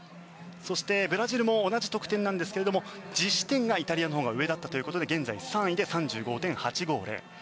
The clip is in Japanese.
そして、ブラジルも同じ得点なんですが実施点がイタリアのほうが上だったということで現在３位で３５．８５０。